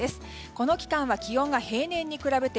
この期間は気温が平年に比べて